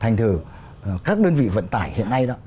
thành thử các đơn vị vận tải hiện nay đó